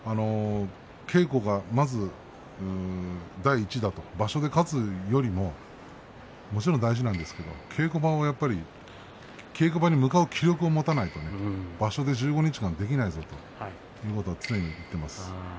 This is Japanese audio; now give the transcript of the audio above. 稽古がまず第一だと場所で勝つよりももちろん大事なんですけれども稽古場に向かう気力を持たないと場所で１５日間できないですよねということを常に言っています。